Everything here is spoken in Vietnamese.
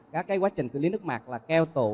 các cái quá trình xử lý nước mặt là keo tụ